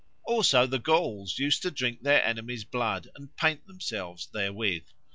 "Also the Gauls used to drink their enemies' blood and paint themselves therewith.